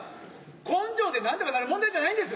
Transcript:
根性でなんとかなる問題じゃないんです。